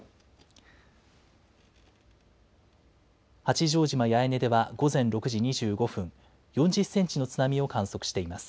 八丈島八重根では午前６時２５分、４０センチの津波を観測しています。